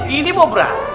ini mau berantem